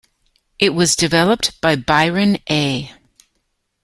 It was developed by Byron A.